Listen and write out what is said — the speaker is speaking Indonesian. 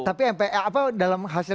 tapi mpa apa dalam hasil